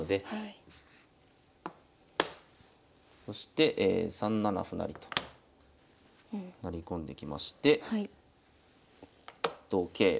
そして３七歩成と成り込んできまして同桂。